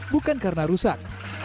bukan karena rusak